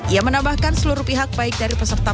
ia menambahkan seluruh pihak baik dari peserta